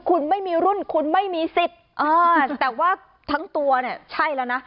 คุณไม่มีรุ่นคุณไม่มีสิทธิ์แต่ว่าทั้งตัวเนี่ยใช่แล้วนะ